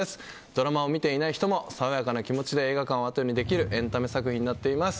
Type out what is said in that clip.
ドラマを見ていない人も爽やかな気持ちで映画館をあとにできるエンタメ作品になっています。